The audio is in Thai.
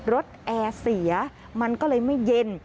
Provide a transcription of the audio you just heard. แอร์เสียมันก็เลยไม่เย็น